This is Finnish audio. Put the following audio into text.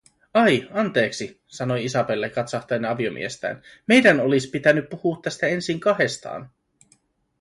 “Ai, anteeksi”, sanoi Isabelle katsahtaen aviomiestään, “meidän olis pitäny puhuu tästä ensin kahestaan.”